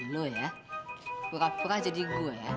lu ya pura pura jadi gue ya